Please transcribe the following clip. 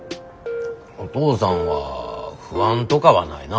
おとうさんは不安とかはないな。